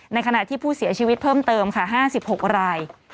ในขณะที่ผู้เสียชีวิตเพิ่มเติมค่ะ๕๖ราย